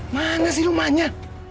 mana sih rumahnya